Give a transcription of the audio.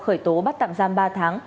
khởi tố bắt tạm giam ba tháng